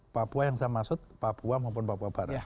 papua yang saya maksud papua maupun papua barat